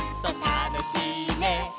「たのしいね」